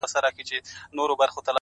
وخت د فرصتونو خام مواد دي.!